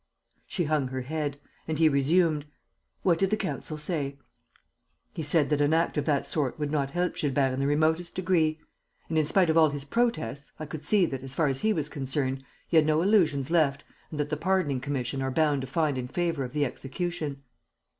She hung her head. And he resumed: "What did the counsel say?" "He said that an act of that sort would not help Gilbert in the remotest degree. And, in spite of all his protests, I could see that, as far as he was concerned, he had no illusions left and that the pardoning commission are bound to find in favour of the execution."